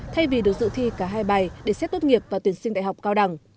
thay vì được dự thi cả hai bài để xét tốt nghiệp và tuyển sinh đại học cao đẳng